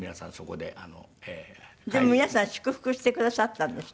でも皆さん祝福してくださったんですって？